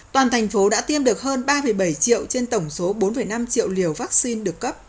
toàn thành phố đã tiêm được hơn ba bảy triệu trên tổng số bốn năm triệu liều vaccine được cấp